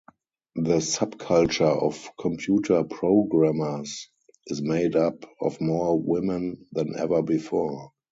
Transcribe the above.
The subculture of computer programmers is made up of more women than ever before.